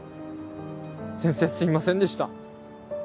先生すみませんでした。